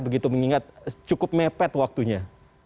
begitu mengingat cukup mepet waktunya